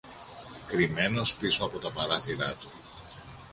Κρυμμένος πίσω από τα παράθυρα του